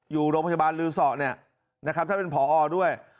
อยู่โรงพยาบาลฤษฐ์ถ้าเป็นพอด้วย